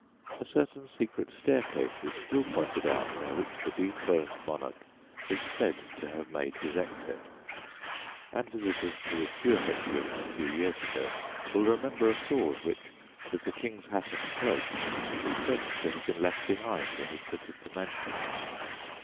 A certain secret staircase is still pointed out by which the dethroned monarch is said to have made his exit, and visitors to the Stuart Exhibition a few years ago will remember a sword which, with the King's hat and cloak, is said to have been left behind when he quitted the mansion.